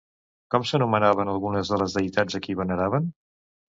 Com s'anomenaven algunes de les deïtats a qui veneraven?